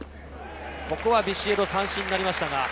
ここはビシエド、三振になりました。